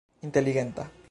inteligenta